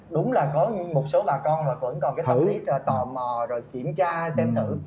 đúng là có một số bà con vẫn còn tập lý tò mò kiểm tra xem thử